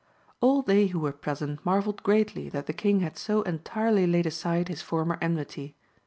All they who were present marvelled greatly that the king had so en tirely laid aside his former enmity.